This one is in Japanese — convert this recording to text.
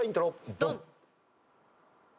ドン！